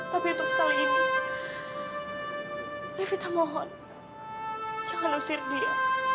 tapi untuk sekali ini evita mohon jangan usir dia